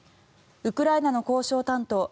ウクライナの交渉担当